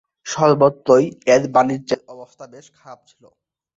সর্বত্রই এর বাণিজ্যের অবস্থা বেশ খারাপ ছিল।